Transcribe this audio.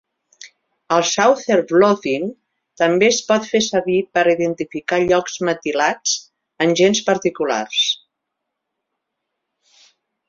El "Southern blotting" també es pot fer servir per a identificar llocs metilats en gens particulars.